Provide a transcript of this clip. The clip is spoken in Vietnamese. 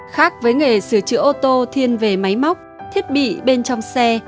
khác với nghề sửa chữa ô tô thiên về máy móc thiết bị bên trong xe